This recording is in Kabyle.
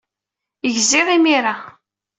Gziɣ imir-a.